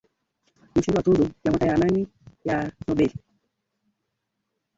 Mshindi wa tuzo ya mwaka ya Amani ya Nobel